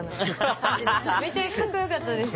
めちゃかっこよかったです。